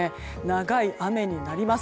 長い雨になります。